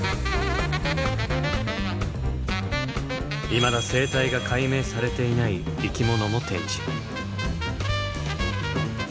いまだ生態が解明されていない生き物も展示。